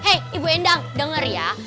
hei ibu endang dengar ya